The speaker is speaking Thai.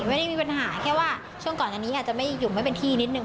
ไม่ได้มีปัญหาแค่ว่าช่วงก่อนอันนี้อาจจะไม่อยู่ไม่เป็นที่นิดนึง